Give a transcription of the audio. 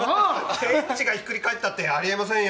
天地がひっくり返ったってありえませんよ！